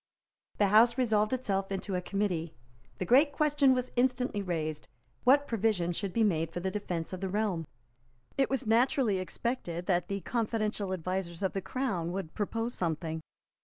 The House resolved itself into a Committee. The great question was instantly raised; What provision should be made for the defence of the realm? It was naturally expected that the confidential advisers of the Crown would propose something.